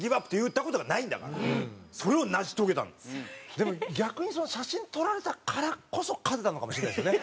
でも逆に写真撮られたからこそ勝てたのかもしれないですよね。